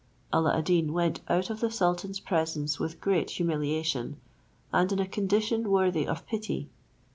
Alla ad Deen went out of the sultan's presence with great humiliation, and in a condition worthy of pity.